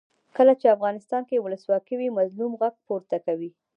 کله چې افغانستان کې ولسواکي وي مظلوم غږ پورته کوي.